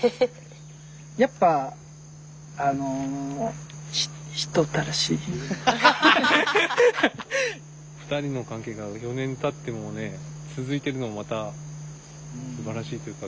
やっぱあの２人の関係が４年たってもね続いてるのもまたすばらしいというか。